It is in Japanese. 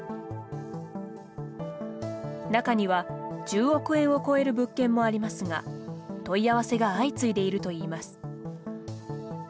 中には、１０億円を超える物件もありますが問い合わせが相次いでいるといいます。